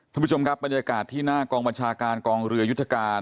ท่านผู้ชมครับบรรยากาศที่หน้ากองบัญชาการกองเรือยุทธการ